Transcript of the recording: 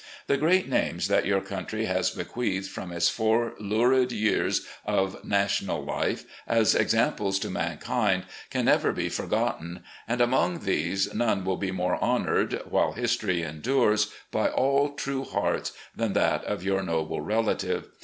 The great names that your cotmtry has bequeathed from its four lurid years of national life as examples to mankind can never be fo]*gotten, and among these none will be more honoured, while history endines, by all true hearts, than that of your noble relative.